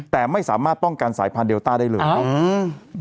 แต่ไม่สามารถป้องกันสายพันธุเดลต้าได้เลยอืม